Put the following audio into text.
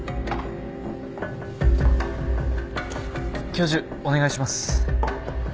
教授お願いします。